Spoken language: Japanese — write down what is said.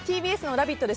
ＴＢＳの「ラヴィット！」